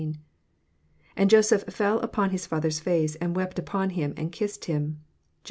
And Joseph fell upon his father's face, and wept upon him, and kissed him. Gen.